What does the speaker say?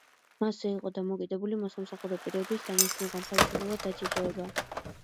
მასზე იყო დამოკიდებული მოსამსახურე პირების დანიშვნა, განთავისუფლება, დაჯილდოება.